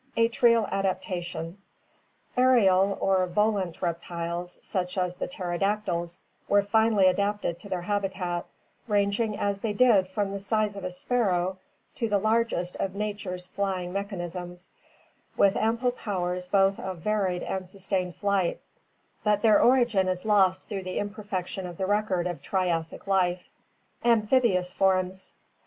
Atrial Adaptation* — Aerial or volant reptiles such as the ptero dactyls were finely adapted to their habitat, ranging as they did from the size of a sparrow to the largest of nature's flying mechan isms, with ample powers both of varied and sustained flight, but their origin is lost through the imperfection of the record of Triassic life (see Figs. 85 and 86, Chapter XXH). Amphibious Forms.